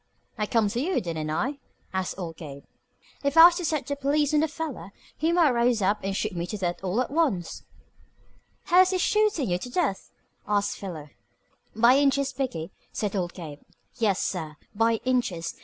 "I come to you, didn't I?" asked old Gabe. "If I was to set the police on the feller he might rouse up and shoot me to death all at once." "How is he shootin' you to death?" asked Philo. "By inches, b'gee," said old Gabe. "Yes, sir, by inches.